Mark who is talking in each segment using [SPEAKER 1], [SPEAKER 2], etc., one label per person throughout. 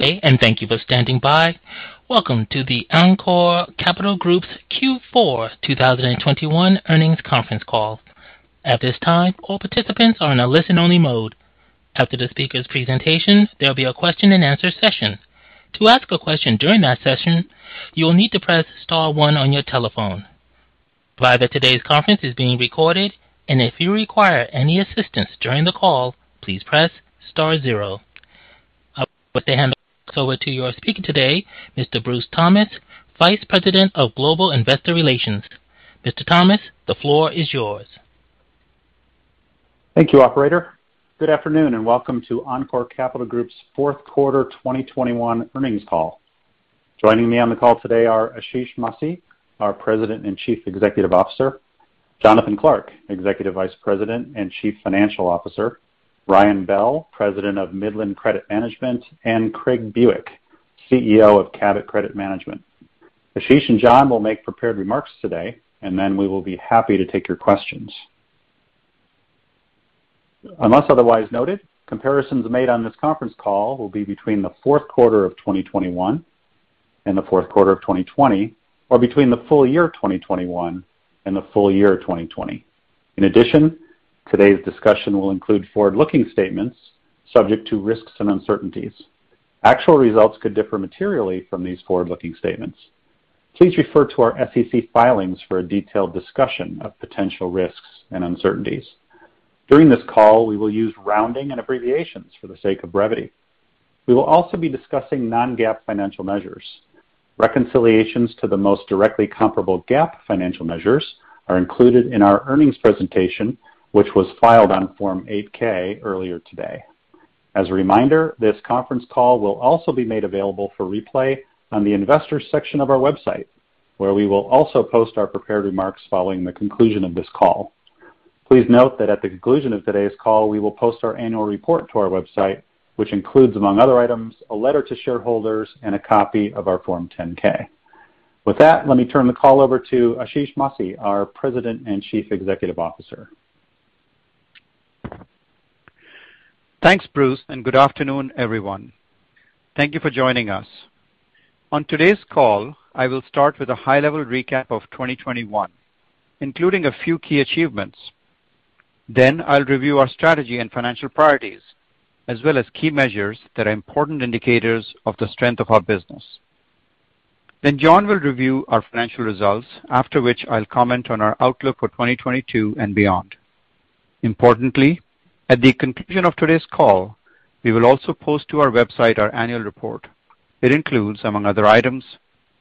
[SPEAKER 1] Thank you for standing by. Welcome to the Encore Capital Group's Q4 2021 earnings conference call. At this time, all participants are in a listen-only mode. After the speaker's presentations, there'll be a question-and-answer session. To ask a question during that session, you will need to press star one on your telephone. Today's conference is being recorded, and if you require any assistance during the call, please press star zero. Operator will hand the conference over to your speaker today, Mr. Bruce Thomas, Vice President of Global Investor Relations. Mr. Thomas, the floor is yours.
[SPEAKER 2] Thank you, operator. Good afternoon, and welcome to Encore Capital Group's fourth quarter 2021 earnings call. Joining me on the call today are Ashish Masih, our President and Chief Executive Officer, Jonathan Clark, Executive Vice President and Chief Financial Officer, Ryan Bell, President of Midland Credit Management, and Craig Buick, CEO of Cabot Credit Management. Ashish and John will make prepared remarks today, and then we will be happy to take your questions. Unless otherwise noted, comparisons made on this conference call will be between the fourth quarter of 2021 and the fourth quarter of 2020 or between the full year 2021 and the full year of 2020. In addition, today's discussion will include forward-looking statements subject to risks and uncertainties. Actual results could differ materially from these forward-looking statements. Please refer to our SEC filings for a detailed discussion of potential risks and uncertainties. During this call, we will use rounding and abbreviations for the sake of brevity. We will also be discussing non-GAAP financial measures. Reconciliations to the most directly comparable GAAP financial measures are included in our earnings presentation, which was filed on Form 8-K earlier today. As a reminder, this conference call will also be made available for replay on the Investors section of our website, where we will also post our prepared remarks following the conclusion of this call. Please note that at the conclusion of today's call, we will post our Annual Report to our website, which includes, among other items, a letter to shareholders and a copy of our Form 10-K. With that, let me turn the call over to Ashish Masih, our President and Chief Executive Officer.
[SPEAKER 3] Thanks, Bruce, and good afternoon, everyone. Thank you for joining us. On today's call, I will start with a high-level recap of 2021, including a few key achievements. Then I'll review our strategy and financial priorities, as well as key measures that are important indicators of the strength of our business. Then Jonathan will review our financial results, after which I'll comment on our outlook for 2022 and beyond. Importantly, at the conclusion of today's call, we will also post to our website our annual report. It includes, among other items,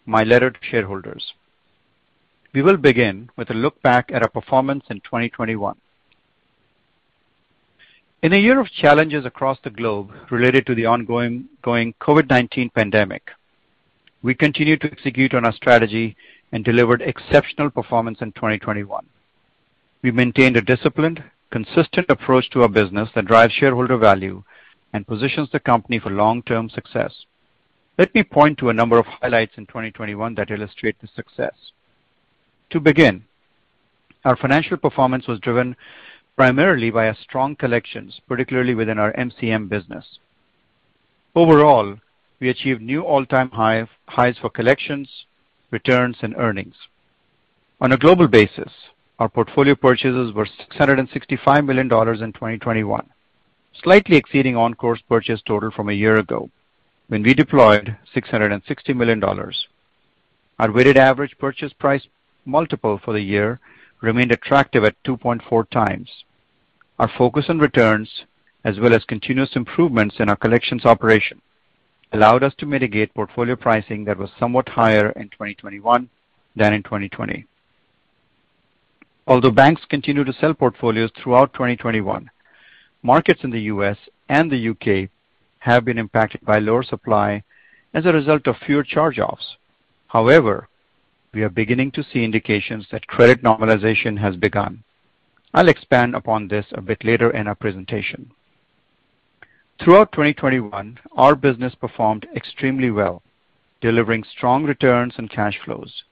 [SPEAKER 3] my letter to shareholders. We will begin with a look back at our performance in 2021. In a year of challenges across the globe related to the ongoing COVID-19 pandemic, we continued to execute on our strategy and delivered exceptional performance in 2021. We maintained a disciplined, consistent approach to our business that drives shareholder value and positions the company for long-term success. Let me point to a number of highlights in 2021 that illustrate the success. To begin, our financial performance was driven primarily by strong collections, particularly within our MCM business. Overall, we achieved new all-time highs for collections, returns, and earnings. On a global basis, our portfolio purchases were $665 million in 2021, slightly exceeding Encore's purchase total from a year ago when we deployed $660 million. Our weighted average purchase price multiple for the year remained attractive at 2.4x. Our focus on returns, as well as continuous improvements in our collections operation, allowed us to mitigate portfolio pricing that was somewhat higher in 2021 than in 2020. Although banks continued to sell portfolios throughout 2021, markets in the US and the UK have been impacted by lower supply as a result of fewer charge-offs. However, we are beginning to see indications that credit normalization has begun. I'll expand upon this a bit later in our presentation. Throughout 2021, our business performed extremely well, delivering strong returns and cash flows.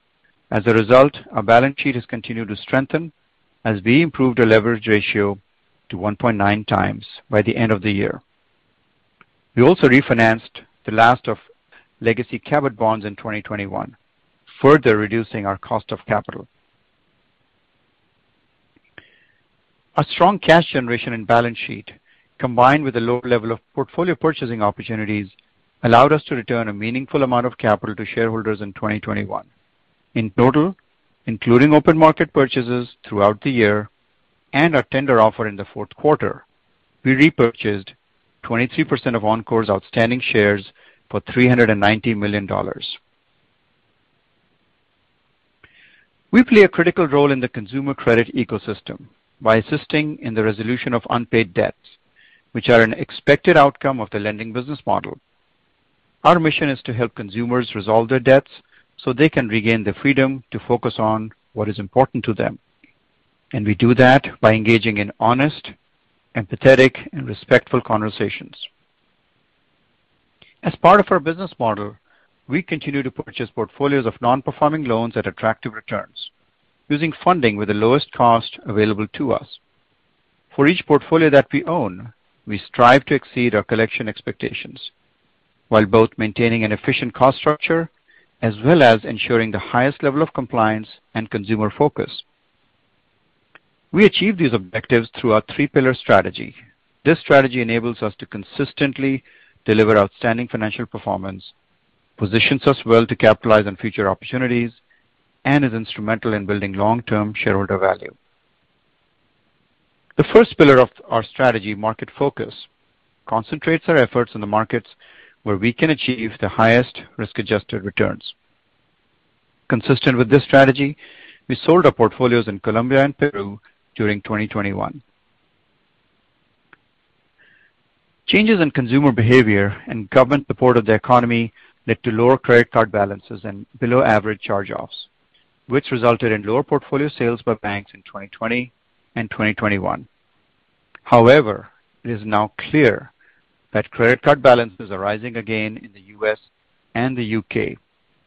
[SPEAKER 3] As a result, our balance sheet has continued to strengthen as we improved our leverage ratio to 1.9x by the end of the year. We also refinanced the last of legacy Cabot bonds in 2021, further reducing our cost of capital. A strong cash generation and balance sheet, combined with a low level of portfolio purchasing opportunities, allowed us to return a meaningful amount of capital to shareholders in 2021. In total, including open market purchases throughout the year and our tender offer in the fourth quarter, we repurchased 23% of Encore's outstanding shares for $390 million. We play a critical role in the consumer credit ecosystem by assisting in the resolution of unpaid debts, which are an expected outcome of the lending business model. Our mission is to help consumers resolve their debts so they can regain the freedom to focus on what is important to them, and we do that by engaging in honest, empathetic, and respectful conversations. As part of our business model, we continue to purchase portfolios of non-performing loans at attractive returns using funding with the lowest cost available to us. For each portfolio that we own, we strive to exceed our collection expectations, while both maintaining an efficient cost structure as well as ensuring the highest level of compliance and consumer focus. We achieve these objectives through our three pillar strategy. This strategy enables us to consistently deliver outstanding financial performance, positions us well to capitalize on future opportunities, and is instrumental in building long-term shareholder value. The first pillar of our strategy, market focus, concentrates our efforts in the markets where we can achieve the highest risk-adjusted returns. Consistent with this strategy, we sold our portfolios in Colombia and Peru during 2021. Changes in consumer behavior and government support of the economy led to lower credit card balances and below average charge-offs, which resulted in lower portfolio sales by banks in 2020 and 2021. However, it is now clear that credit card balances are rising again in the US and the UK,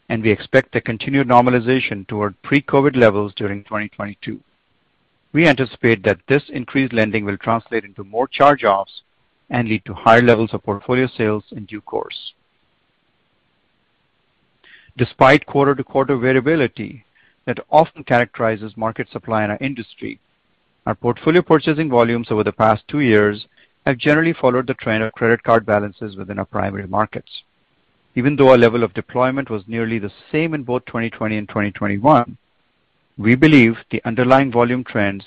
[SPEAKER 3] and we expect a continued normalization toward pre-COVID levels during 2022. We anticipate that this increased lending will translate into more charge-offs and lead to higher levels of portfolio sales in due course. Despite quarter-to-quarter variability that often characterizes market supply in our industry, our portfolio purchasing volumes over the past two years have generally followed the trend of credit card balances within our primary markets. Even though our level of deployment was nearly the same in both 2020 and 2021, we believe the underlying volume trends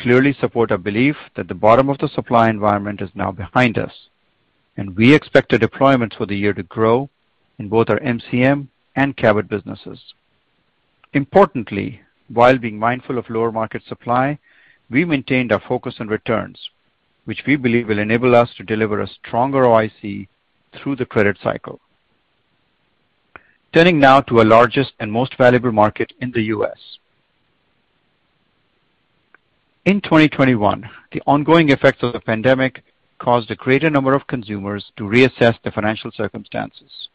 [SPEAKER 3] clearly support our belief that the bottom of the supply environment is now behind us, and we expect the deployments for the year to grow in both our MCM and Cabot businesses. Importantly, while being mindful of lower market supply, we maintained our focus on returns, which we believe will enable us to deliver a stronger ROIC through the credit cycle. Turning now to our largest and most valuable market in the US. In 2021, the ongoing effects of the pandemic caused a greater number of consumers to reassess their financial circumstances.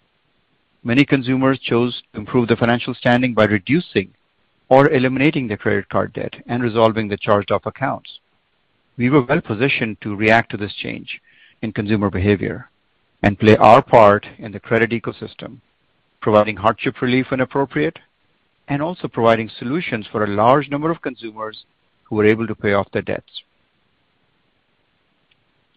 [SPEAKER 3] Many consumers chose to improve their financial standing by reducing or eliminating their credit card debt and resolving the charged-off accounts. We were well positioned to react to this change in consumer behavior and play our part in the credit ecosystem, providing hardship relief when appropriate, and also providing solutions for a large number of consumers who were able to pay off their debts.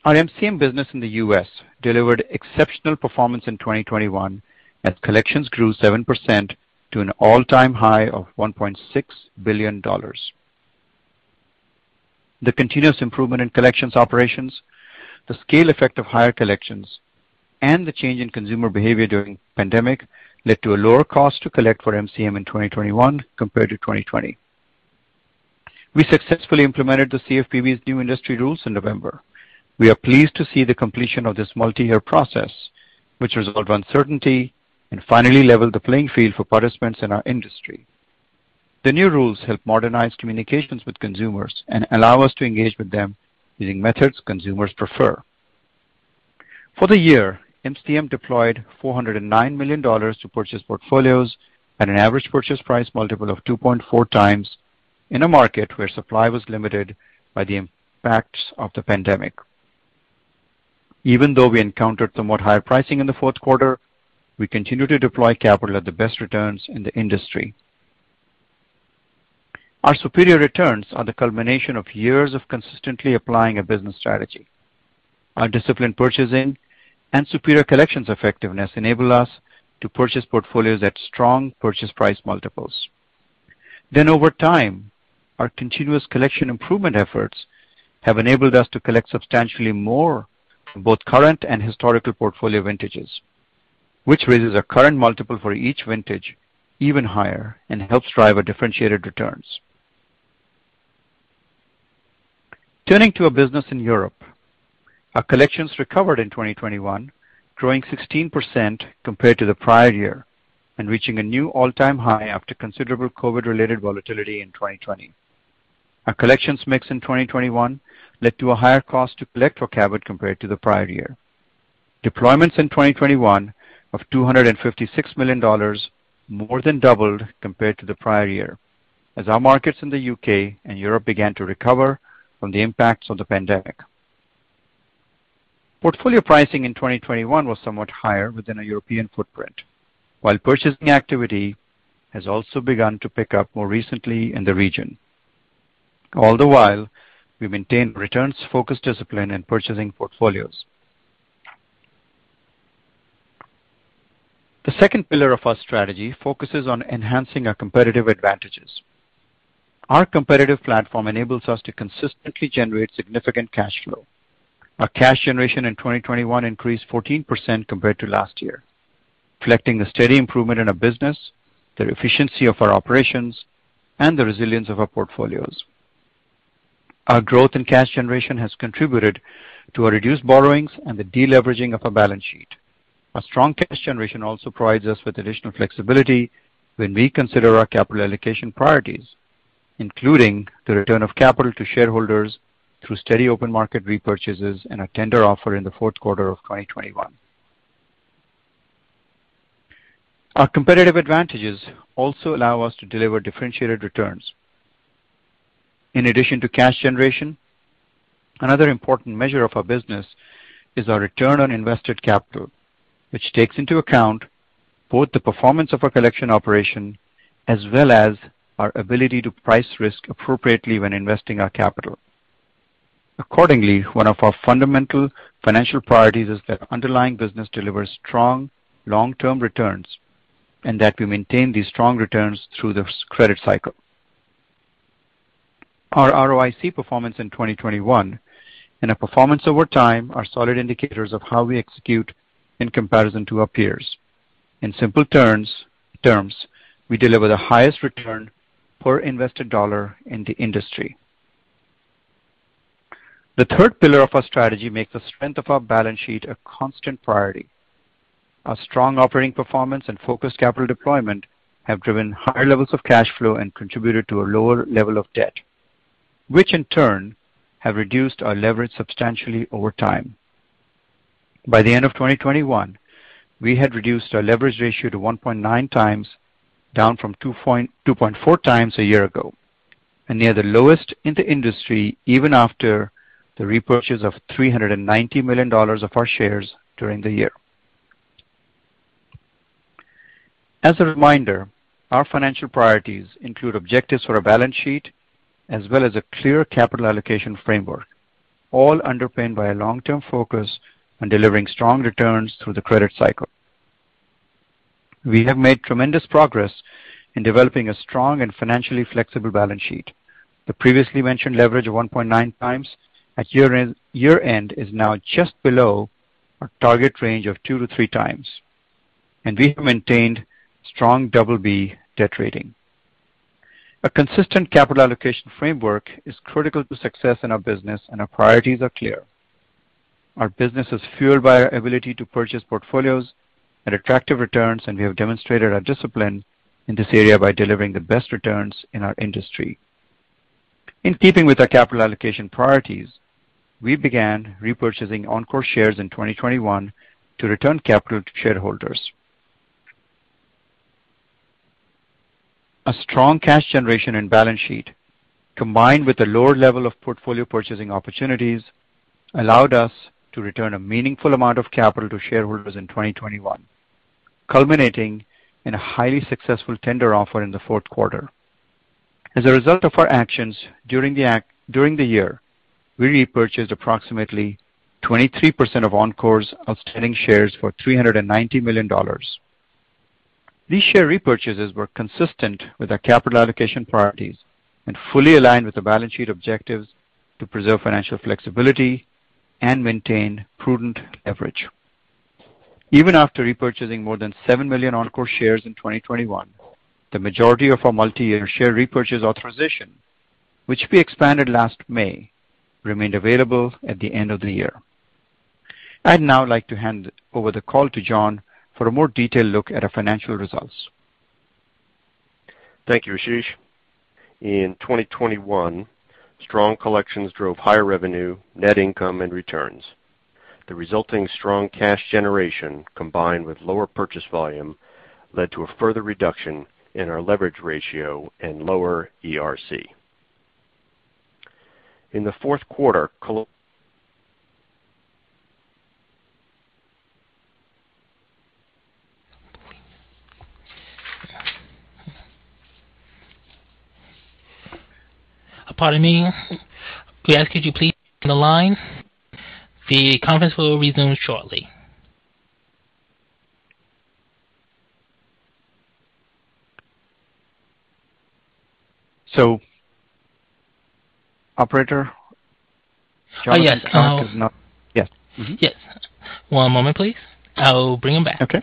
[SPEAKER 3] Our MCM business in the US delivered exceptional performance in 2021 as collections grew 7% to an all-time high of $1.6 billion. The continuous improvement in collections operations, the scale effect of higher collections, and the change in consumer behavior during the pandemic led to a lower cost to collect for MCM in 2021 compared to 2020. We successfully implemented the CFPB's new industry rules in November. We are pleased to see the completion of this multi-year process, which resolved uncertainty and finally leveled the playing field for participants in our industry. The new rules help modernize communications with consumers and allow us to engage with them using methods consumers prefer. For the year, MCM deployed $409 million to purchase portfolios at an average purchase price multiple of 2.4x in a market where supply was limited by the impacts of the pandemic. Even though we encountered somewhat higher pricing in the fourth quarter, we continue to deploy capital at the best returns in the industry. Our superior returns are the culmination of years of consistently applying a business strategy. Our disciplined purchasing and superior collections effectiveness enable us to purchase portfolios at strong purchase price multiples. Over time, our continuous collection improvement efforts have enabled us to collect substantially more from both current and historical portfolio vintages, which raises our current multiple for each vintage even higher and helps drive our differentiated returns. Turning to our business in Europe. Our collections recovered in 2021, growing 16% compared to the prior year and reaching a new all-time high after considerable COVID-related volatility in 2020. Our collections mix in 2021 led to a higher cost to collect for Cabot compared to the prior year. Deployments in 2021 of $256 million more than doubled compared to the prior year as our markets in the UK and Europe began to recover from the impacts of the pandemic. Portfolio pricing in 2021 was somewhat higher within our European footprint, while purchasing activity has also begun to pick up more recently in the region. All the while, we maintained returns-focused discipline in purchasing portfolios. The second pillar of our strategy focuses on enhancing our competitive advantages. Our competitive platform enables us to consistently generate significant cash flow. Our cash generation in 2021 increased 14% compared to last year, reflecting the steady improvement in our business, the efficiency of our operations, and the resilience of our portfolios. Our growth in cash generation has contributed to our reduced borrowings and the deleveraging of our balance sheet. Our strong cash generation also provides us with additional flexibility when we consider our capital allocation priorities, including the return of capital to shareholders through steady open market repurchases and our tender offer in the fourth quarter of 2021. Our competitive advantages also allow us to deliver differentiated returns. In addition to cash generation, another important measure of our business is our Return on Invested Capital, which takes into account both the performance of our collection operation as well as our ability to price risk appropriately when investing our capital. Accordingly, one of our fundamental financial priorities is that underlying business delivers strong long-term returns and that we maintain these strong returns through this credit cycle. Our ROIC performance in 2021 and our performance over time are solid indicators of how we execute in comparison to our peers. In simple terms, we deliver the highest return per invested dollar in the industry. The third pillar of our strategy make the strength of our balance sheet a constant priority. Our strong operating performance and focused capital deployment have driven higher levels of cash flow and contributed to a lower level of debt, which in turn have reduced our leverage substantially over time. By the end of 2021, we had reduced our leverage ratio to 1.9 times, down from 2.4 times a year ago, and near the lowest in the industry, even after the repurchase of $390 million of our shares during the year. As a reminder, our financial priorities include objectives for our balance sheet as well as a clear capital allocation framework, all underpinned by a long-term focus on delivering strong returns through the credit cycle. We have made tremendous progress in developing a strong and financially flexible balance sheet. The previously mentioned leverage of 1.9 times at year end is now just below our target range of 2-3 times. We have maintained strong double B debt rating. A consistent capital allocation framework is critical to success in our business, and our priorities are clear. Our business is fueled by our ability to purchase portfolios at attractive returns, and we have demonstrated our discipline in this area by delivering the best returns in our industry. In keeping with our capital allocation priorities, we began repurchasing Encore shares in 2021 to return capital to shareholders. A strong cash generation and balance sheet, combined with a lower level of portfolio purchasing opportunities, allowed us to return a meaningful amount of capital to shareholders in 2021, culminating in a highly successful tender offer in the fourth quarter. As a result of our actions during the year, we repurchased approximately 23% of Encore's outstanding shares for $390 million. These share repurchases were consistent with our capital allocation priorities and fully aligned with the balance sheet objectives to preserve financial flexibility and maintain prudent leverage. Even after repurchasing more than 7 million Encore shares in 2021, the majority of our multi-year share repurchase authorization, which we expanded last May, remained available at the end of the year. I'd now like to hand over the call to Jonathan for a more detailed look at our financial results.
[SPEAKER 4] Thank you, Ashish. In 2021, strong collections drove higher revenue, net income, and returns. The resulting strong cash generation, combined with lower purchase volume, led to a further reduction in our leverage ratio and lower ERC. In the fourth quarter, col-
[SPEAKER 1] Pardon me. We ask that you please, the line. The conference will resume shortly.
[SPEAKER 3] Operator.
[SPEAKER 1] Oh, yes.
[SPEAKER 3] Yes.
[SPEAKER 1] Yes. One moment, please. I'll bring him back.
[SPEAKER 3] Okay,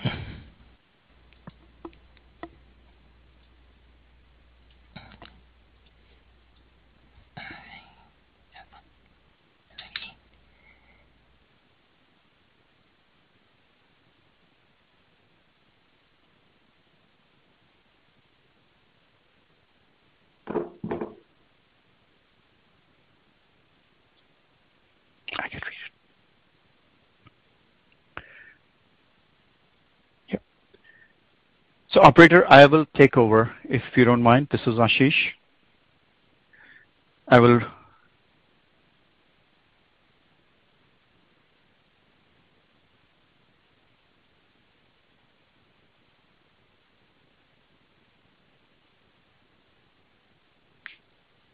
[SPEAKER 3] operator, I will take over, if you don't mind. This is Ashish.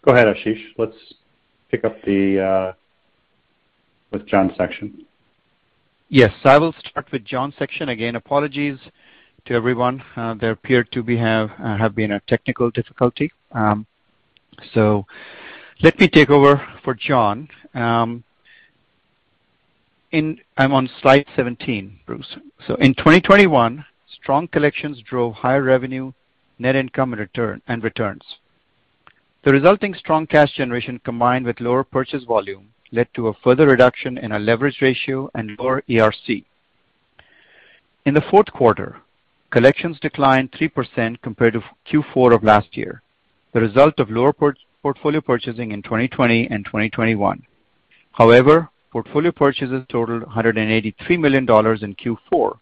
[SPEAKER 2] Go ahead, Ashish. Let's pick up with John's section.
[SPEAKER 3] Yes. I will start with John's section. Again, apologies to everyone. There appeared to have been a technical difficulty. Let me take over for John. I'm on slide 17, Bruce. In 2021, strong collections drove higher revenue, net income and returns. The resulting strong cash generation, combined with lower purchase volume, led to a further reduction in our leverage ratio and lower ERC. In the fourth quarter, collections declined 3% compared to Q4 of last year, the result of lower portfolio purchasing in 2020 and 2021. However, portfolio purchases totaled $183 million in Q4,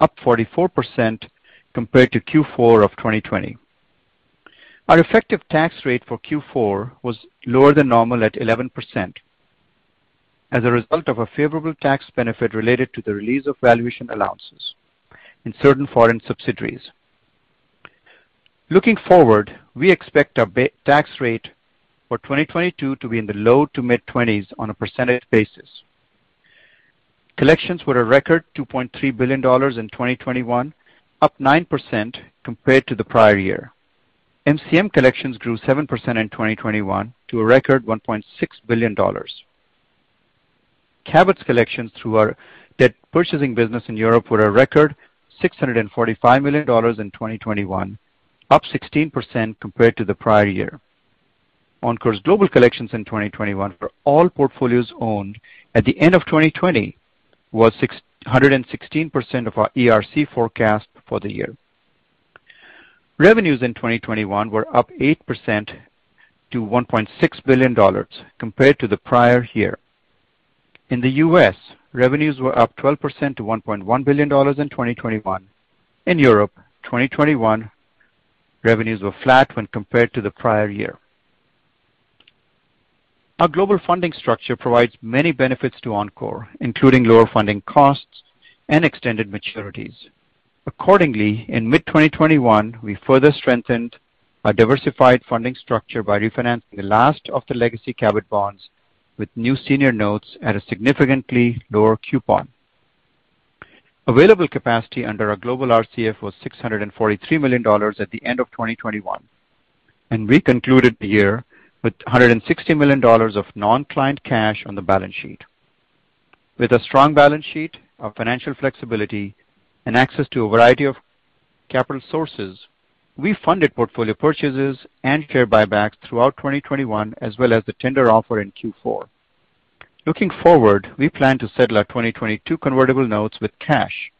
[SPEAKER 3] up 44% compared to Q4 of 2020. Our effective tax rate for Q4 was lower than normal at 11% as a result of a favorable tax benefit related to the release of valuation allowances in certain foreign subsidiaries. Looking forward, we expect our tax rate for 2022 to be in the low- to mid-20s%. Collections were a record $2.3 billion in 2021, up 9% compared to the prior year. MCM collections grew 7% in 2021 to a record $1.6 billion. Cabot's collections through our debt purchasing business in Europe were a record $645 million in 2021, up 16% compared to the prior year. Encore's global collections in 2021 for all portfolios owned at the end of 2020 was 616% of our ERC forecast for the year. Revenues in 2021 were up 8% to $1.6 billion compared to the prior year. In the US, revenues were up 12% to $1.1 billion in 2021. In Europe, 2021 revenues were flat when compared to the prior year. Our global funding structure provides many benefits to Encore, including lower funding costs and extended maturities. Accordingly, in mid-2021, we further strengthened our diversified funding structure by refinancing the last of the legacy Cabot bonds with new senior notes at a significantly lower coupon. Available capacity under our global RCF was $643 million at the end of 2021, and we concluded the year with $160 million of non-client cash on the balance sheet. With a strong balance sheet, our financial flexibility, and access to a variety of capital sources, we funded portfolio purchases and share buybacks throughout 2021 as well as the tender offer in Q4. Looking forward, we plan to settle our 2022 convertible notes with cash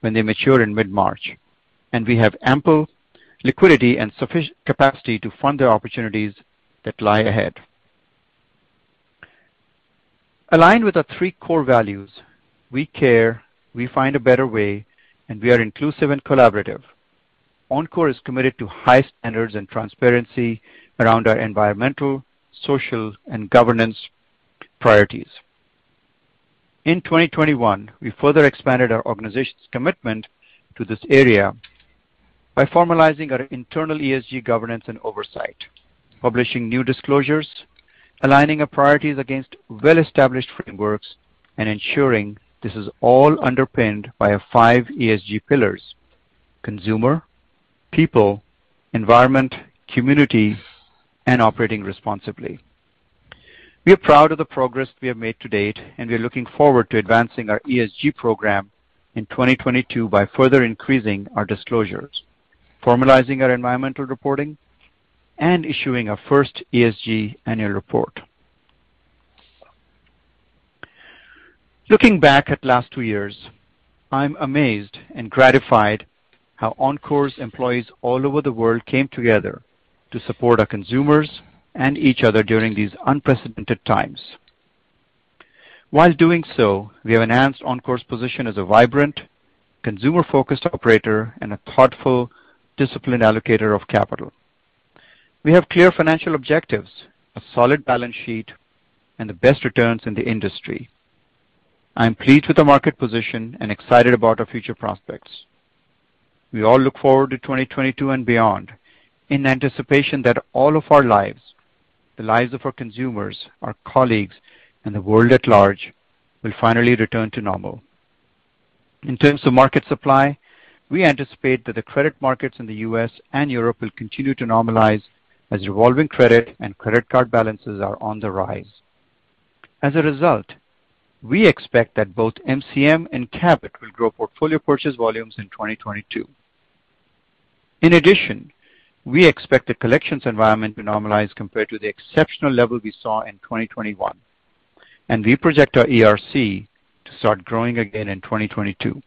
[SPEAKER 3] when they mature in mid-March, and we have ample liquidity and sufficient capacity to fund the opportunities that lie ahead. Aligned with our three core values, we care, we find a better way, and we are inclusive and collaborative. Encore is committed to high standards and transparency around our environmental, social, and governance priorities. In 2021, we further expanded our organization's commitment to this area by formalizing our internal ESG governance and oversight, publishing new disclosures, aligning our priorities against well-established frameworks, and ensuring this is all underpinned by our five ESG pillars, consumer, people, environment, community, and operating responsibly. We are proud of the progress we have made to date, and we are looking forward to advancing our ESG program in 2022 by further increasing our disclosures, formalizing our environmental reporting, and issuing our first ESG annual report. Looking back at the last two years, I'm amazed and gratified how Encore's employees all over the world came together to support our consumers and each other during these unprecedented times. While doing so, we have enhanced Encore's position as a vibrant, consumer-focused operator and a thoughtful, disciplined allocator of capital. We have clear financial objectives, a solid balance sheet, and the best returns in the industry. I am pleased with the market position and excited about our future prospects. We all look forward to 2022 and beyond in anticipation that all of our lives, the lives of our consumers, our colleagues, and the world at large will finally return to normal. In terms of market supply, we anticipate that the credit markets in the US and Europe will continue to normalize as revolving credit and credit card balances are on the rise. As a result, we expect that both MCM and Cabot will grow portfolio purchase volumes in 2022. In addition, we expect the collections environment to normalize compared to the exceptional level we saw in 2021, and we project our ERC to start growing again in 2022.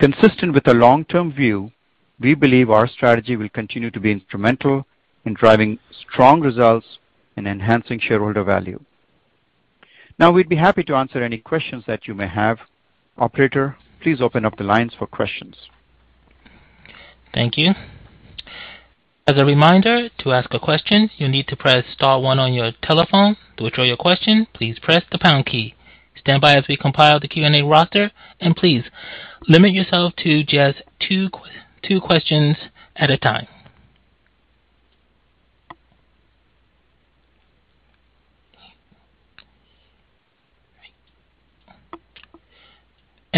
[SPEAKER 3] Consistent with a long-term view, we believe our strategy will continue to be instrumental in driving strong results and enhancing shareholder value. Now, we'd be happy to answer any questions that you may have. Operator, please open up the lines for questions.
[SPEAKER 1] Thank you. As a reminder, to ask a question, you need to press star one on your telephone. To withdraw your question, please press the pound key. Stand by as we compile the Q&A roster, and please limit yourself to just two questions at a time.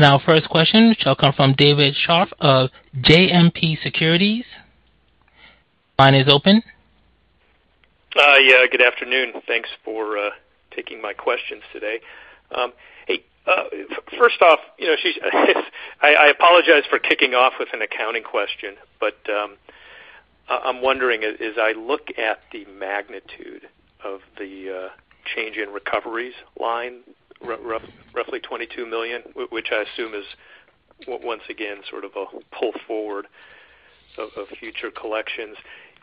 [SPEAKER 1] Our first question shall come from David Scharf of JMP Securities. Line is open.
[SPEAKER 5] Good afternoon. Thanks for taking my questions today. Hey, first off, you know, Ashish, I apologize for kicking off with an accounting question, but, I'm wondering as I look at the magnitude of the change in recoveries line, roughly $22 million, which I assume is once again sort of a pull forward of future collections.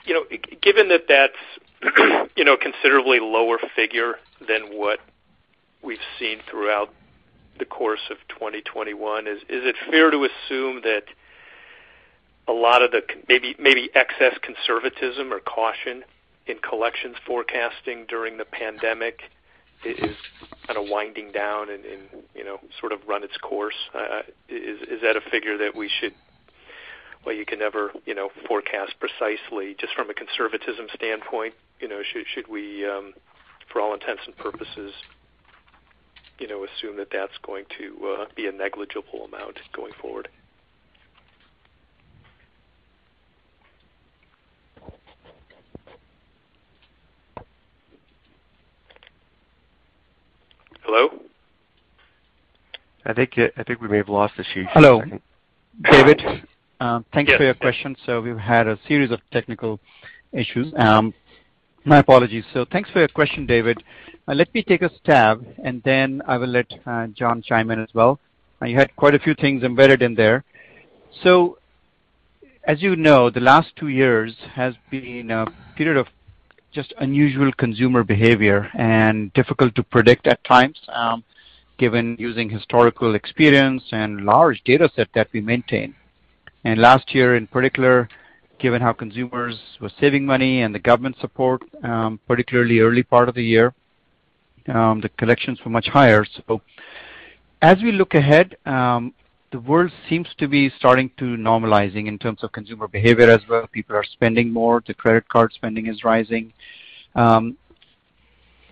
[SPEAKER 5] You know, given that that's, you know, a considerably lower figure than what we've seen throughout the course of 2021, is it fair to assume that a lot of the maybe excess conservatism or caution in collections forecasting during the pandemic is kind of winding down and, you know, sort of run its course? Is that a figure that we should. Well, you can never, you know, forecast precisely just from a conservatism standpoint, you know. Should we, for all intents and purposes, you know, assume that that's going to be a negligible amount going forward? Hello?
[SPEAKER 4] I think we may have lost Ashish for a second.
[SPEAKER 5] Hello, David.
[SPEAKER 4] Yes.
[SPEAKER 3] Thanks for your question. We've had a series of technical issues. My apologies. Thanks for your question, David. Let me take a stab, and then I will let John chime in as well. You had quite a few things embedded in there. As you know, the last two years has been a period of just unusual consumer behavior and difficult to predict at times, given using historical experience and large data set that we maintain. Last year in particular, given how consumers were saving money and the government support, particularly early part of the year, the collections were much higher. As we look ahead, the world seems to be starting to normalizing in terms of consumer behavior as well. People are spending more. The credit card spending is rising.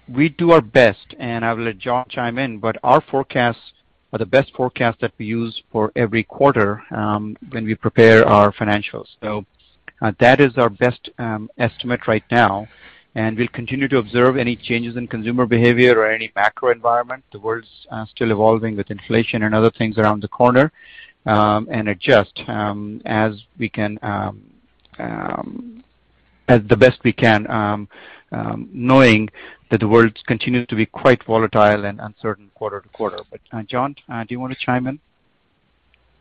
[SPEAKER 3] We do our best, and I will let John chime in, but our forecasts are the best forecasts that we use for every quarter, when we prepare our financials. That is our best estimate right now, and we continue to observe any changes in consumer behavior or any macro environment. The world's still evolving with inflation and other things around the corner, and adjust as the best we can, knowing that the world continues to be quite volatile and uncertain quarter to quarter. John, do you want to chime in?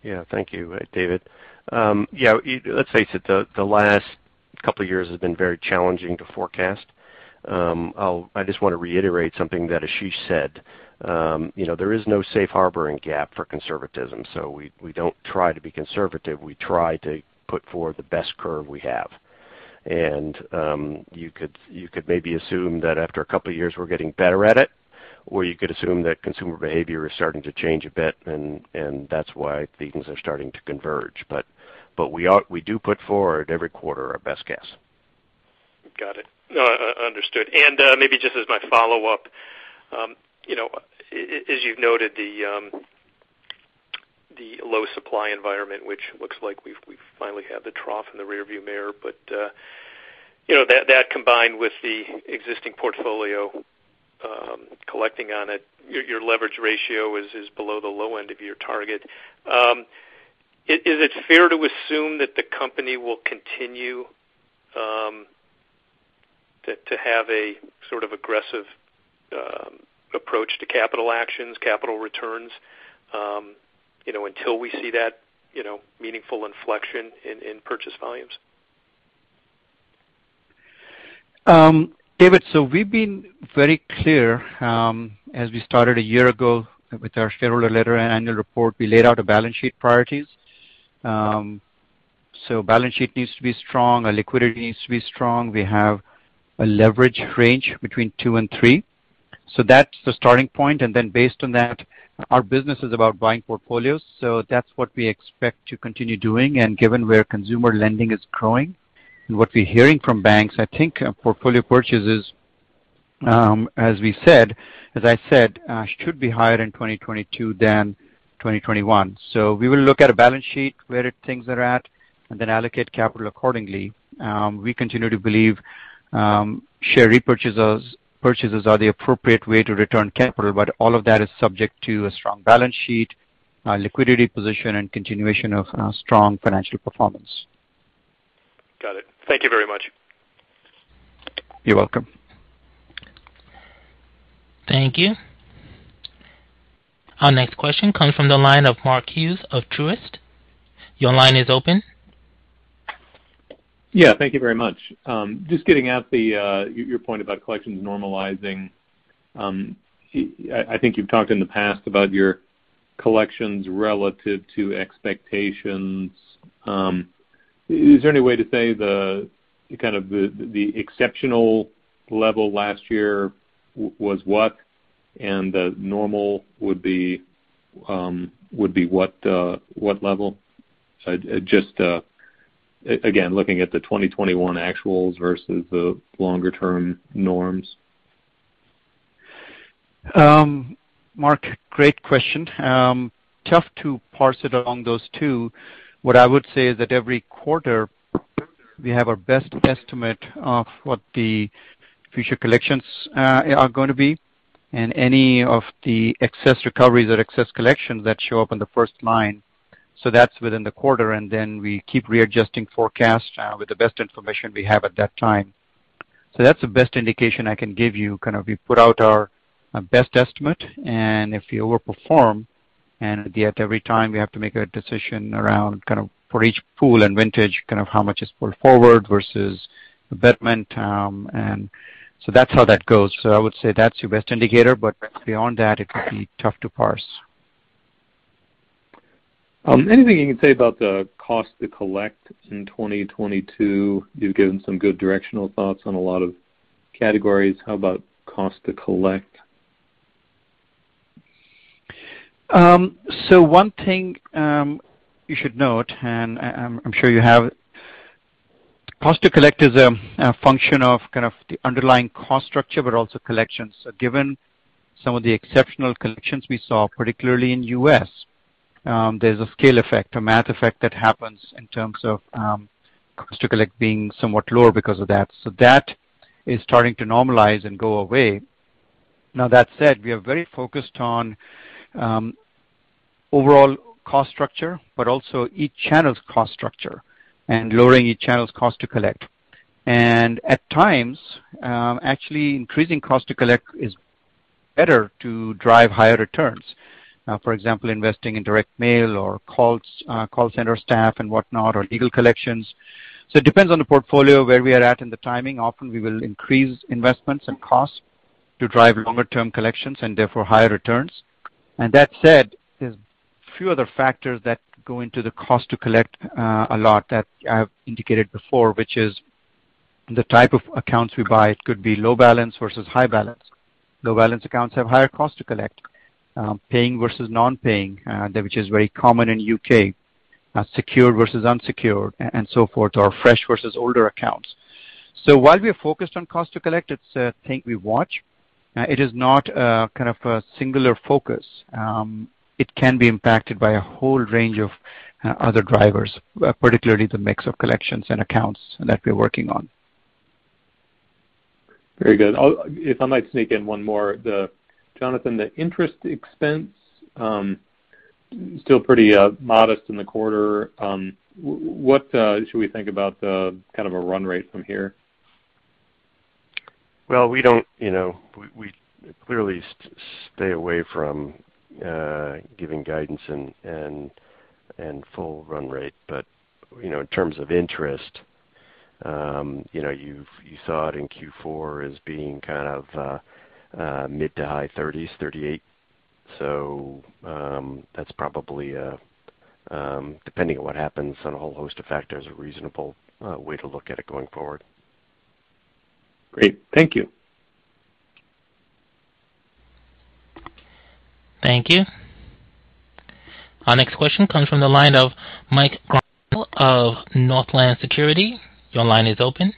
[SPEAKER 4] Yeah. Thank you, David. Let's say that the last couple of years has been very challenging to forecast. I just want to reiterate something that Ashish said. You know, there is no safe harbor in GAAP for conservatism, so we don't try to be conservative. We try to put forward the best curve we have. You could maybe assume that after a couple of years, we're getting better at it, or you could assume that consumer behavior is starting to change a bit and that's why things are starting to converge. We do put forward every quarter our best guess.
[SPEAKER 5] Got it. No, understood. Maybe just as my follow-up, you know, as you've noted, the low supply environment, which looks like we finally have the trough in the rearview mirror. You know, that combined with the existing portfolio collecting on it, your leverage ratio is below the low end of your target. Is it fair to assume that the company will continue to have a sort of aggressive approach to capital actions, capital returns, you know, until we see that meaningful inflection in purchase volumes?
[SPEAKER 3] David, we've been very clear, as we started a year ago with our shareholder letter and annual report, we laid out a balance sheet priorities. Balance sheet needs to be strong, our liquidity needs to be strong. We have a leverage range between 2-3. That's the starting point. Then based on that, our business is about buying portfolios. That's what we expect to continue doing, and given where consumer lending is growing and what we're hearing from banks, I think portfolio purchases should be higher in 2022 than 2021. We will look at a balance sheet where things are at and then allocate capital accordingly. We continue to believe share repurchases are the appropriate way to return capital, but all of that is subject to a strong balance sheet, liquidity position, and continuation of strong financial performance.
[SPEAKER 5] Got it. Thank you very much.
[SPEAKER 3] You're welcome.
[SPEAKER 1] Thank you. Our next question comes from the line of Mark Hughes of Truist. Your line is open.
[SPEAKER 6] Yeah. Thank you very much. Just getting at your point about collections normalizing. I think you've talked in the past about your collections relative to expectations. Is there any way to say the kind of exceptional level last year was what and the normal would be what level? Just again, looking at the 2021 actuals versus the longer term norms.
[SPEAKER 3] Mark, great question. Tough to parse it along those two. What I would say is that every quarter we have our best estimate of what the future collections are going to be and any of the excess recoveries or excess collections that show up in the first line. That's within the quarter, and then we keep readjusting forecast with the best information we have at that time. That's the best indication I can give you. Kind of we put out our best estimate, and if we overperform, and yet every time we have to make a decision around kind of for each pool and vintage, kind of how much is pulled forward versus betterment. That's how that goes. I would say that's your best indicator, but beyond that, it would be tough to parse.
[SPEAKER 6] Anything you can say about the cost to collect in 2022? You've given some good directional thoughts on a lot of categories. How about cost to collect?
[SPEAKER 3] One thing you should note, and I'm sure you have. Cost to collect is a function of kind of the underlying cost structure, but also collections. Given some of the exceptional collections we saw, particularly in US, there's a scale effect, a math effect that happens in terms of cost to collect being somewhat lower because of that. That is starting to normalize and go away. Now that said, we are very focused on overall cost structure, but also each channel's cost structure and lowering each channel's cost to collect. At times, actually increasing cost to collect is better to drive higher returns. Now for example, investing in direct mail or calls, call center staff and whatnot, or legal collections. It depends on the portfolio where we are at in the timing. Often we will increase investments and costs to drive longer term collections and therefore higher returns. That said, there's few other factors that go into the cost to collect, a lot that I've indicated before, which is the type of accounts we buy. It could be low balance versus high balance. Low balance accounts have higher cost to collect. Paying versus non-paying, which is very common in UK. Secured versus unsecured and so forth, or fresh versus older accounts. While we are focused on cost to collect, it's a thing we watch. It is not a kind of a singular focus. It can be impacted by a whole range of other drivers, particularly the mix of collections and accounts that we're working on.
[SPEAKER 6] Very good. If I might sneak in one more. Jonathan, the interest expense still pretty modest in the quarter. What should we think about the kind of a run rate from here?
[SPEAKER 4] Well, we don't, you know. We clearly stay away from giving guidance and full run rate. You know, in terms of interest, you know, you saw it in Q4 as being kind of mid- to high-30s, 38%. That's probably, depending on what happens on a whole host of factors, a reasonable way to look at it going forward.
[SPEAKER 6] Great. Thank you.
[SPEAKER 1] Thank you. Our next question comes from the line of Mike Grondahl of Northland Capital Markets. Your line is open.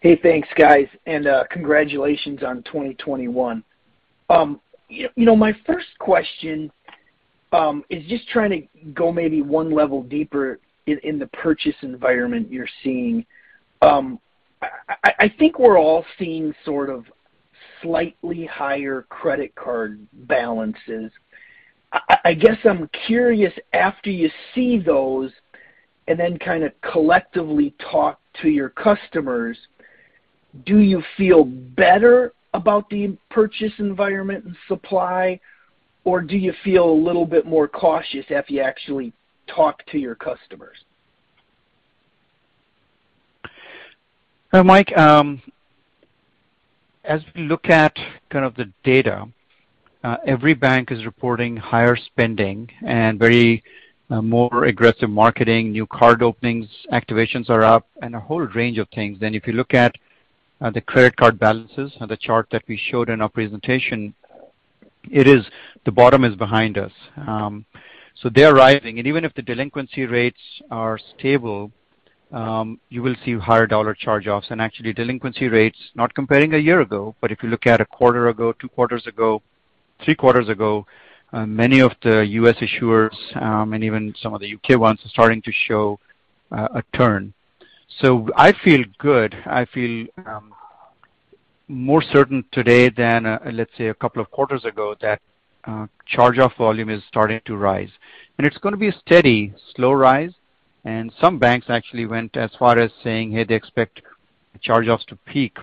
[SPEAKER 7] Hey, thanks, guys, and congratulations on 2021. You know, my first question is just trying to go maybe one level deeper in the purchase environment you're seeing. I think we're all seeing sort of slightly higher credit card balances. I guess I'm curious, after you see those and then kinda collectively talk to your customers, do you feel better about the purchase environment and supply, or do you feel a little bit more cautious after you actually talk to your customers?
[SPEAKER 3] Mike, as we look at kind of the data, every bank is reporting higher spending and very much more aggressive marketing, new card openings, activations are up and a whole range of things. If you look at the credit card balances on the chart that we showed in our presentation, it is the bottom is behind us. They're rising. Even if the delinquency rates are stable, you will see higher dollar charge-offs. Actually, delinquency rates, not comparing a year ago, but if you look at a quarter ago, two quarters ago, three quarters ago, many of the US issuers and even some of the UK ones are starting to show a turn. I feel good. I feel more certain today than let's say a couple of quarters ago that charge-off volume is starting to rise. It's gonna be a steady, slow rise. Some banks actually went as far as saying, hey, they expect charge-offs to peak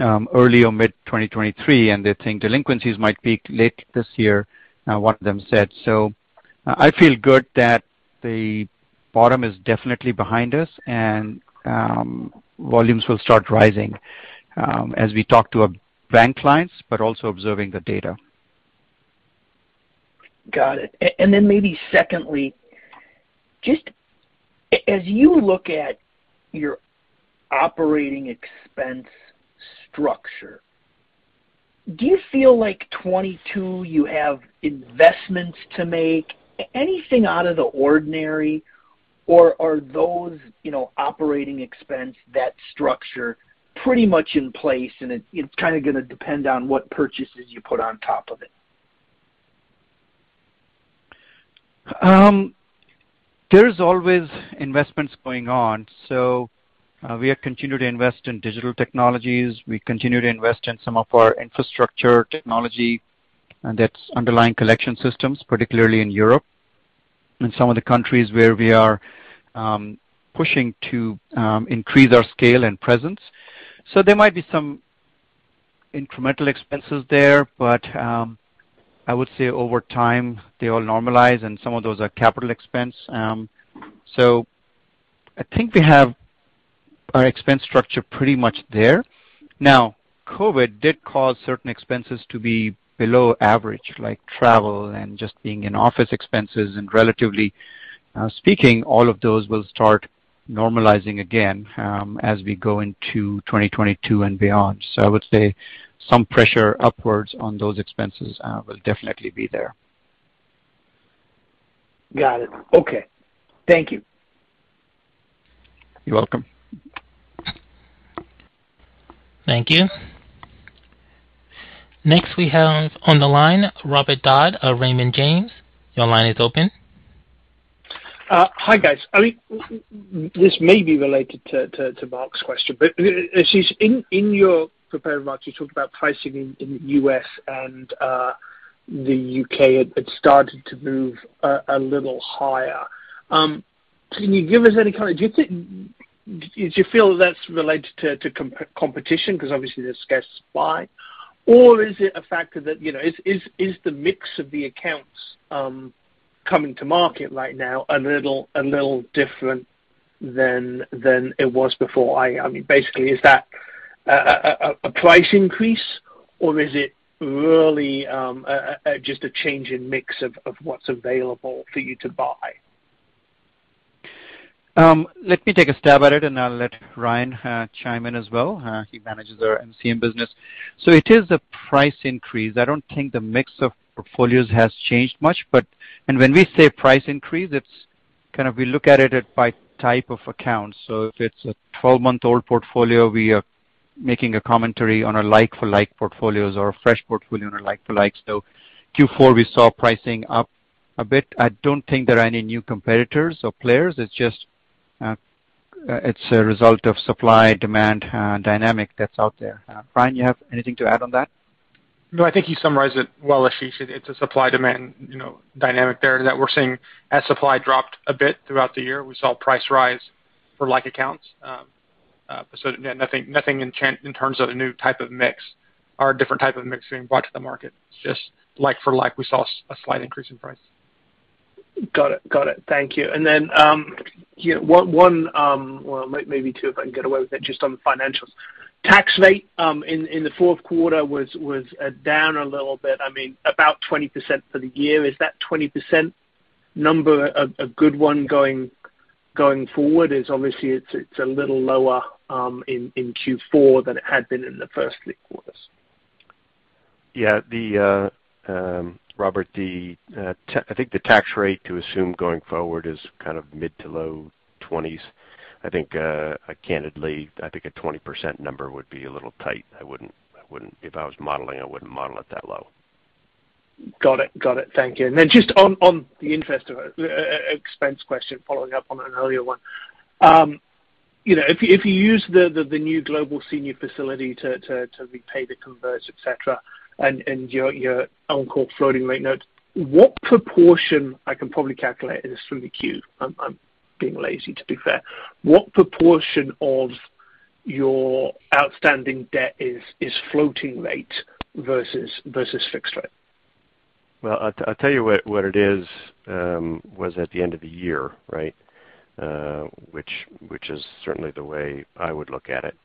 [SPEAKER 3] early or mid-2023, and they think delinquencies might peak late this year, one of them said. I feel good that the bottom is definitely behind us and volumes will start rising as we talk to our bank clients, but also observing the data.
[SPEAKER 7] Got it. Maybe secondly, just as you look at your operating expense structure, do you feel like 2022 you have investments to make anything out of the ordinary or are those, you know, operating expense, that structure pretty much in place and it's kinda gonna depend on what purchases you put on top of it?
[SPEAKER 3] There's always investments going on. We are continuing to invest in digital technologies. We continue to invest in some of our infrastructure technology that's underlying collection systems, particularly in Europe. In some of the countries where we are pushing to increase our scale and presence. There might be some incremental expenses there, but I would say over time they all normalize, and some of those are capital expense. I think we have our expense structure pretty much there. Now, COVID did cause certain expenses to be below average, like travel and just being in office expenses. Relatively speaking, all of those will start normalizing again as we go into 2022 and beyond. I would say some pressure upwards on those expenses will definitely be there. Got it. Okay. Thank you. You're welcome.
[SPEAKER 1] Thank you. Next, we have on the line Robert Dodd of Raymond James. Your line is open.
[SPEAKER 8] Hi, guys. I mean, this may be related to Mark's question, but Ashish, in your prepared remarks, you talked about pricing in the US and the UK had started to move a little higher. Can you give us any kind of. Do you feel that's related to competition 'cause obviously there's scarce supply? Or is it a factor that, you know, is the mix of the accounts coming to market right now a little different than it was before? I mean, basically, is that a price increase or is it really just a change in mix of what's available for you to buy?
[SPEAKER 3] Let me take a stab at it, and I'll let Ryan chime in as well. He manages our MCM business. It is a price increase. I don't think the mix of portfolios has changed much, but when we say price increase, it's kind of we look at it by type of account. If it's a 12-month-old portfolio, we are making a commentary on a like-for-like portfolios or a fresh portfolio on a like-for-like. Q4, we saw pricing up a bit. I don't think there are any new competitors or players. It's just, it's a result of supply-demand dynamic that's out there. Ryan, you have anything to add on that?
[SPEAKER 9] No, I think you summarized it well, Ashish. It's a supply-demand, you know, dynamic there that we're seeing. As supply dropped a bit throughout the year, we saw price rise for like accounts. Nothing in terms of a new type of mix or a different type of mix being brought to the market. It's just like for like, we saw a slight increase in price.
[SPEAKER 8] Got it. Thank you. You know, one, well, maybe two if I can get away with it, just on financials. Tax rate in the fourth quarter was down a little bit, I mean, about 20% for the year. Is that 20% number a good one going forward? It's obviously a little lower in Q4 than it had been in the first three quarters.
[SPEAKER 4] Yeah. Robert, the tax rate to assume going forward is kind of mid- to low-20s. I think, candidly, I think a 20% number would be a little tight. I wouldn't. If I was modeling, I wouldn't model it that low.
[SPEAKER 8] Got it. Thank you. Just on the interest expense question, following up on an earlier one. You know, if you use the new global senior facility to repay the converts, et cetera, and your Encore floating rate notes, what proportion. I can probably calculate this through the Q. I'm being lazy, to be fair. What proportion of your outstanding debt is floating rate versus fixed rate?
[SPEAKER 4] Well, I'll tell you what it is, was at the end of the year, right? Which is certainly the way I would look at it.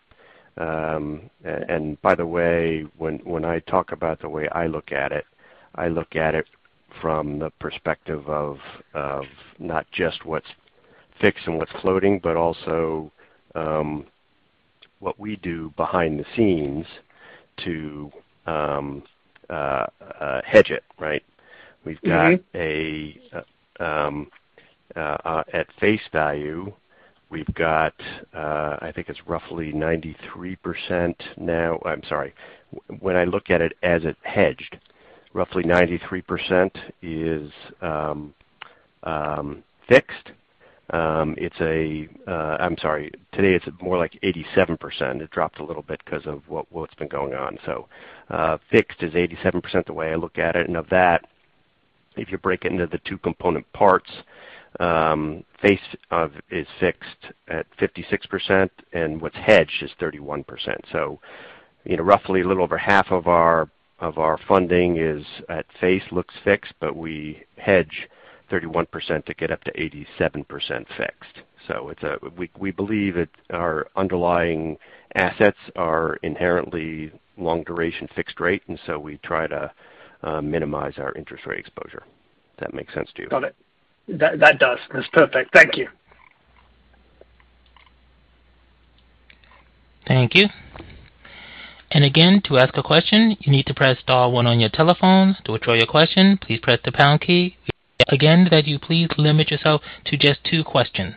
[SPEAKER 4] And by the way, when I talk about the way I look at it, I look at it from the perspective of not just what's fixed and what's floating, but also what we do behind the scenes to hedge it, right?
[SPEAKER 8] Mm-hmm.
[SPEAKER 4] At face value, we've got, I think it's roughly 93% now. I'm sorry. When I look at it as it hedged, roughly 93% is fixed. I'm sorry. Today, it's more like 87%. It dropped a little bit 'cause of what's been going on. Fixed is 87% the way I look at it. Of that, if you break it into the two component parts, face value is fixed at 56%, and what's hedged is 31%. You know, roughly a little over half of our funding is at face value fixed, but we hedge 31% to get up to 87% fixed. We believe that our underlying assets are inherently long duration fixed rate, and so we try to minimize our interest rate exposure. That make sense to you?
[SPEAKER 8] Got it. That does. That's perfect. Thank you.
[SPEAKER 1] Thank you. Again, to ask a question, you need to press star one on your telephones. To withdraw your question, please press the pound key. Again, we ask that you please limit yourself to just two questions.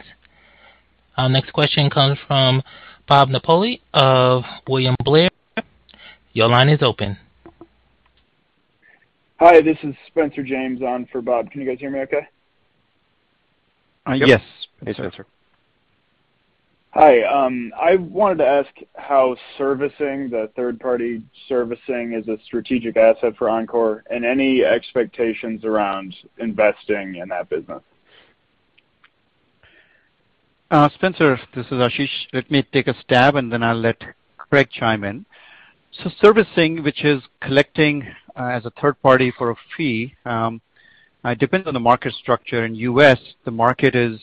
[SPEAKER 1] Our next question comes from Bob Napoli of William Blair. Your line is open.
[SPEAKER 10] Hi, this is Spencer James on for Bob. Can you guys hear me okay?
[SPEAKER 3] Yes.
[SPEAKER 4] Yes, Spencer.
[SPEAKER 10] Hi, I wanted to ask how servicing the third-party servicing as a strategic asset for Encore and any expectations around investing in that business.
[SPEAKER 3] Spencer, this is Ashish. Let me take a stab, and then I'll let Craig chime in. Servicing, which is collecting as a third party for a fee, depends on the market structure. In US, the market is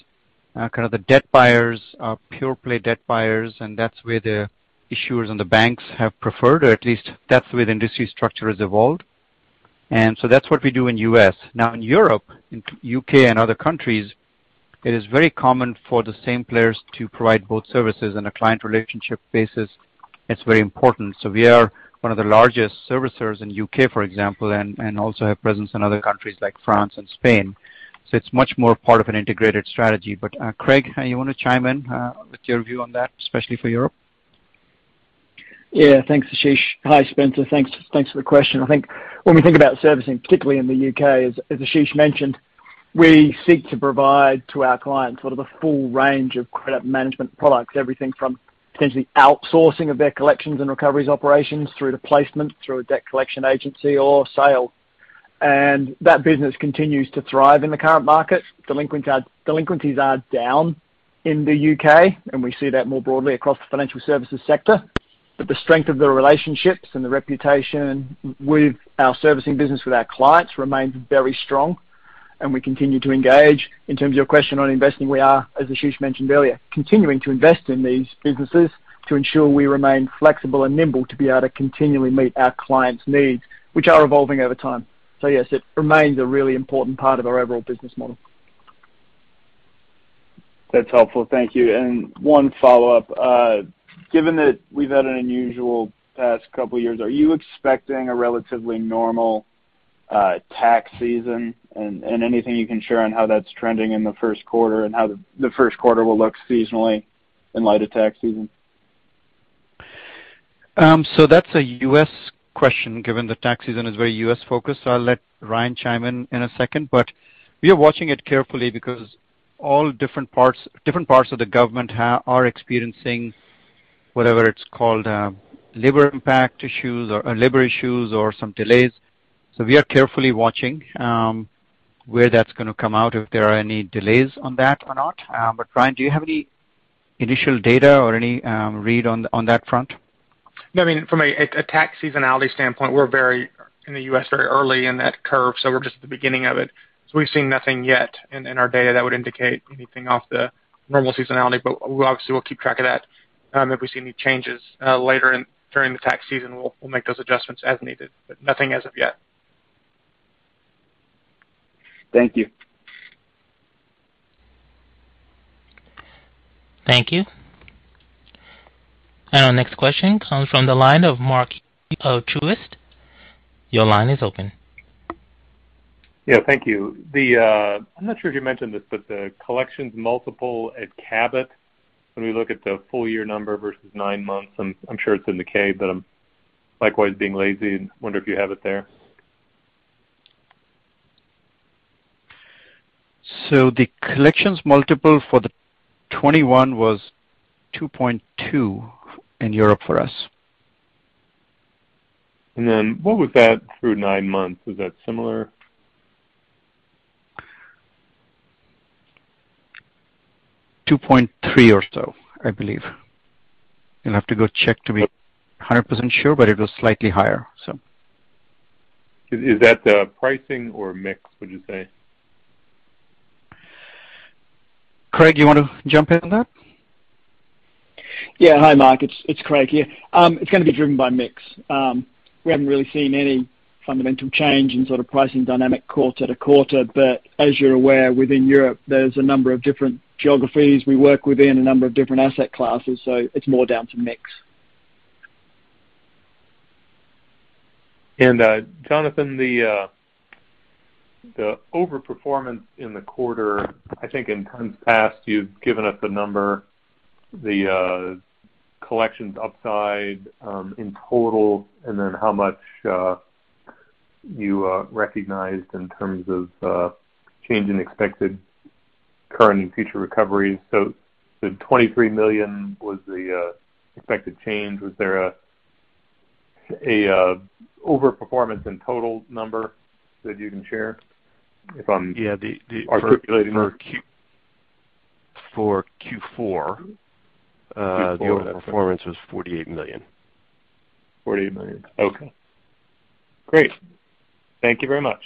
[SPEAKER 3] kind of the debt buyers are pure play debt buyers, and that's where the issuers and the banks have preferred, or at least that's the way the industry structure has evolved. That's what we do in US. Now, in Europe, in UK and other countries, it is very common for the same players to provide both services on a client relationship basis. It's very important. We are one of the largest servicers in UK, for example, and also have presence in other countries like France and Spain. It's much more part of an integrated strategy. Craig, you wanna chime in with your view on that, especially for Europe?
[SPEAKER 11] Yeah. Thanks, Ashish. Hi, Spencer. Thanks for the question. I think when we think about servicing, particularly in the UK, as Ashish mentioned, we seek to provide to our clients sort of a full range of credit management products. Everything from potentially outsourcing of their collections and recoveries operations through to placement, through a debt collection agency or sale. That business continues to thrive in the current market. Delinquencies are down in the UK, and we see that more broadly across the financial services sector. The strength of the relationships and the reputation with our servicing business with our clients remains very strong, and we continue to engage. In terms of your question on investing, we are, as Ashish mentioned earlier, continuing to invest in these businesses to ensure we remain flexible and nimble to be able to continually meet our clients' needs, which are evolving over time. Yes, it remains a really important part of our overall business model.
[SPEAKER 10] That's helpful. Thank you. One follow-up. Given that we've had an unusual past couple years, are you expecting a relatively normal tax season? Anything you can share on how that's trending in the first quarter and how the first quarter will look seasonally in light of tax season?
[SPEAKER 3] That's a US question, given the tax season is very US-focused. I'll let Ryan chime in in a second. We are watching it carefully because all different parts of the government are experiencing whatever it's called, labor impact issues or labor issues or some delays. We are carefully watching where that's gonna come out, if there are any delays on that or not. Ryan, do you have any initial data or any read on that front?
[SPEAKER 9] No. I mean, from a tax seasonality standpoint, we're very early in the US, so we're just at the beginning of it. We've seen nothing yet in our data that would indicate anything off the normal seasonality. We obviously will keep track of that. If we see any changes later during the tax season, we'll make those adjustments as needed. Nothing as of yet.
[SPEAKER 10] Thank you.
[SPEAKER 1] Thank you. Our next question comes from the line of Mark Hughes of Truist. Your line is open.
[SPEAKER 6] Yeah. Thank you. I'm not sure if you mentioned this, but the collections multiple at Cabot, when we look at the full year number versus nine months, I'm sure it's in the K, but I'm likewise being lazy and wonder if you have it there.
[SPEAKER 3] The collections multiple for 2021 was 2.2 in Europe for us.
[SPEAKER 6] What was that through nine months? Is that similar?
[SPEAKER 3] 2.3 or so, I believe. You'll have to go check to be 100% sure, but it was slightly higher, so.
[SPEAKER 6] Is that the pricing or mix, would you say?
[SPEAKER 3] Craig, you wanna jump in on that?
[SPEAKER 11] Yeah. Hi, Mark. It's Craig here. It's gonna be driven by mix. We haven't really seen any fundamental change in sort of pricing dynamic quarter to quarter. As you're aware, within Europe, there's a number of different geographies we work with in a number of different asset classes. It's more down to mix.
[SPEAKER 6] Jonathan, the overperformance in the quarter, I think in times past, you've given us a number, the collections upside, in total, and then how much you recognized in terms of change in expected current and future recoveries. The $23 million was the expected change. Was there a overperformance in total number that you can share from-
[SPEAKER 4] Yeah.
[SPEAKER 6] our circulating number.
[SPEAKER 4] For Q4.
[SPEAKER 6] Q4
[SPEAKER 4] The overperformance was $48 million.
[SPEAKER 6] $48 million. Okay. Great. Thank you very much.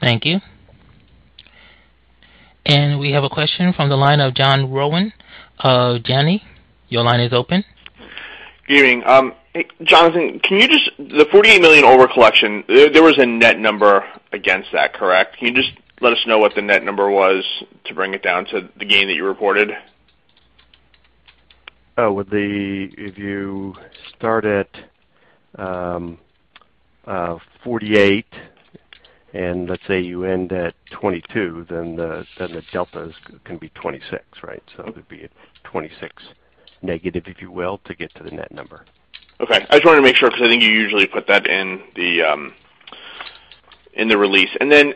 [SPEAKER 1] Thank you. We have a question from the line of John Rowan. Johnny, your line is open.
[SPEAKER 12] Good evening. Jonathan, the $48 million overcollection, there was a net number against that, correct? Can you just let us know what the net number was to bring it down to the gain that you reported?
[SPEAKER 4] If you start at 48 and let's say you end at 22, then the delta can be 26, right? So it'd be a 26 negative, if you will, to get to the net number.
[SPEAKER 12] Okay. I just wanted to make sure because I think you usually put that in the release. Then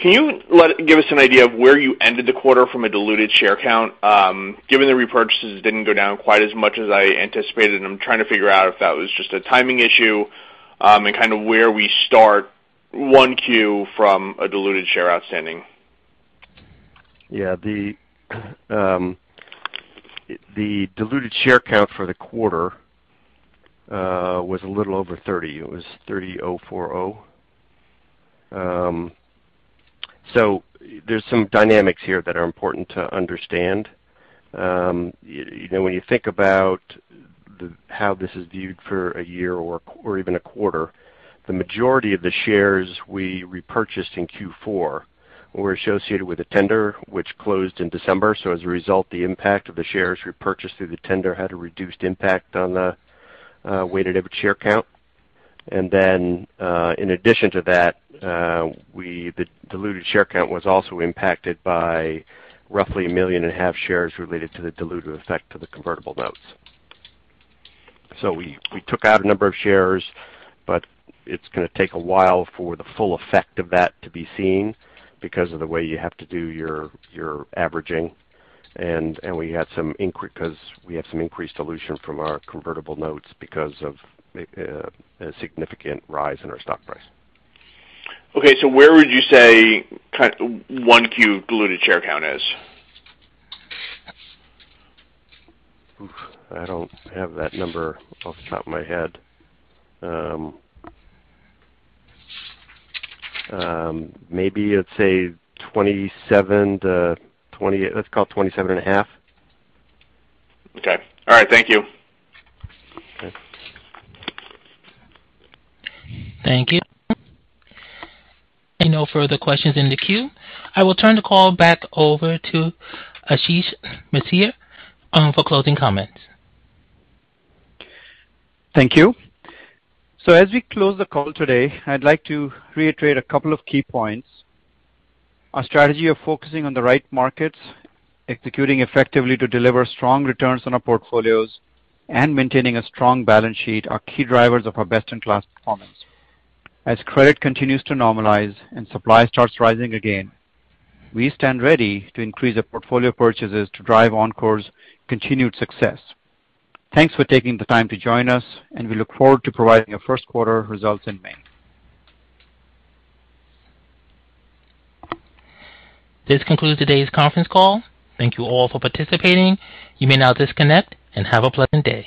[SPEAKER 12] can you give us an idea of where you ended the quarter from a diluted share count? Given the repurchases didn't go down quite as much as I anticipated, and I'm trying to figure out if that was just a timing issue, and kinda where we start 1Q from a diluted share outstanding.
[SPEAKER 4] The diluted share count for the quarter was a little over 30. It was 30.40. There's some dynamics here that are important to understand. You know, when you think about how this is viewed for a year or even a quarter, the majority of the shares we repurchased in Q4 were associated with a tender which closed in December. As a result, the impact of the shares repurchased through the tender had a reduced impact on the weighted average share count. In addition to that, the diluted share count was also impacted by roughly 1.5 million shares related to the dilutive effect of the convertible notes. We took out a number of shares, but it's gonna take a while for the full effect of that to be seen because of the way you have to do your averaging. We had some increased dilution from our convertible notes because of a significant rise in our stock price.
[SPEAKER 12] Okay. Where would you say 1Q diluted share count is?
[SPEAKER 4] Oof. I don't have that number off the top of my head. Maybe I'd say 27. Let's call it 27.5.
[SPEAKER 12] Okay. All right. Thank you.
[SPEAKER 4] Okay.
[SPEAKER 1] Thank you. There are no further questions in the queue. I will turn the call back over to Ashish Masih for closing comments.
[SPEAKER 3] Thank you. As we close the call today, I'd like to reiterate a couple of key points. Our strategy of focusing on the right markets, executing effectively to deliver strong returns on our portfolios, and maintaining a strong balance sheet are key drivers of our best-in-class performance. As credit continues to normalize and supply starts rising again, we stand ready to increase our portfolio purchases to drive Encore's continued success. Thanks for taking the time to join us, and we look forward to providing our first quarter results in May.
[SPEAKER 1] This concludes today's conference call. Thank you all for participating. You may now disconnect and have a pleasant day.